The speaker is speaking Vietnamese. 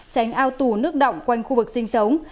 tránh ao tù nước động quanh khu vực sinh sống